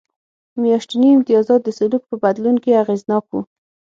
میاشتني امتیازات د سلوک په بدلون کې اغېزناک و